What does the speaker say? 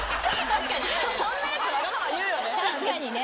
確かにね。